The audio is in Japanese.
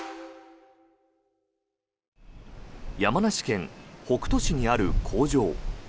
山梨県北杜市にある工場。